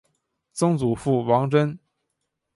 曾祖父王珍。